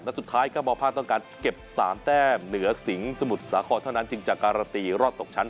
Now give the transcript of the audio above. และสุดท้ายก็มภาคต้องการเก็บ๓แต้มเหนือสิงห์สมุทรสาครเท่านั้นจึงจากการันตีรอดตกชั้น